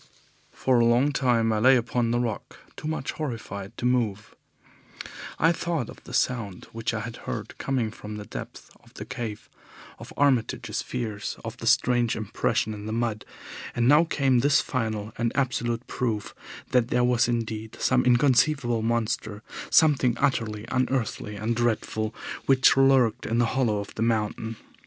For a long time I lay upon the rock, too much horrified to move. I thought of the sound which I had heard coming from the depths of the cave, of Armitage's fears, of the strange impression in the mud, and now came this final and absolute proof that there was indeed some inconceivable monster, something utterly unearthly and dreadful, which lurked in the hollow of the mountain.